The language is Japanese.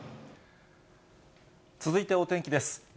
続いてお天気です。